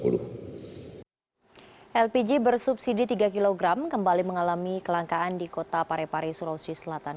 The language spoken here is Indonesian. lpg bersubsidi tiga kg kembali mengalami kelangkaan di kota parepare sulawesi selatan